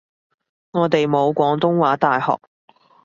我哋冇廣東話大學